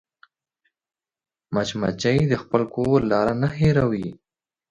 مچمچۍ د خپل کور لار نه هېروي